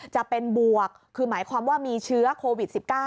จะเป็นบวกคือหมายความว่ามีเชื้อโควิด๑๙